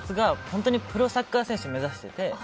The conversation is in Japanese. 本当にプロサッカー選手を目指していて。